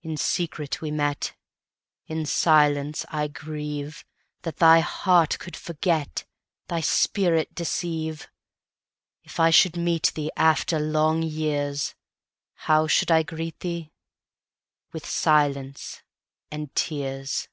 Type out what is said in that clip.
In secret we met:In silence I grieveThat thy heart could forget, Thy spirit deceive. If I should meet theeAfter long years, How should I greet thee?—With silence and tears.